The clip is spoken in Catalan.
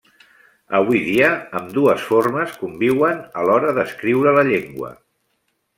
Avui dia, ambdues formes conviuen a l'hora d'escriure la llengua.